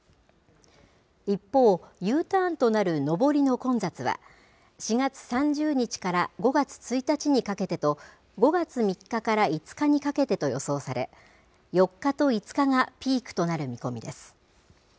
一方、Ｕターンとなる上りの混雑は、４月３０日から５月１日にかけてと、５月３日から５日にかけてと予想され、４日と５日がピークとなる見込みです。